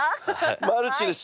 マルチです。